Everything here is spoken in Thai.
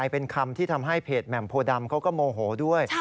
เป็นคำที่ทำให้เพจแหม่มโพดำเขาก็โมโหด้วย